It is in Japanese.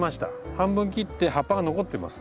半分切って葉っぱが残ってます。